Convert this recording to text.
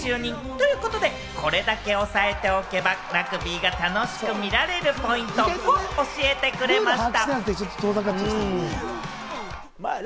ということで、これだけ押さえておけばラグビーが楽しく見られるポイントを教えてくれました。